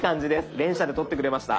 連写で撮ってくれました。